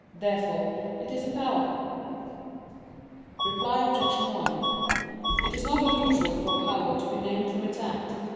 Therefore it is a power. Reply Obj. 1: It is not unusual for a power to be named from its act.